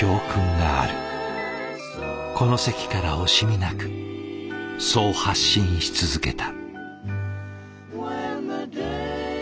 この席から惜しみなくそう発信し続けた。